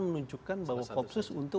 menunjukkan bahwa kopsus untuk